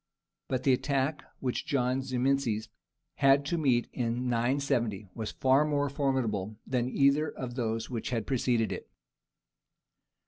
_) But the attack which John Zimisces had to meet in 970 was far more formidable than either of those which had preceded it.